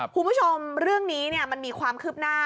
คุณผู้ชมเรื่องนี้มันมีความคืบหน้า